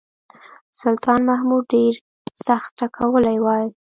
سلطان محمود ډېر سخت ټکولی وای.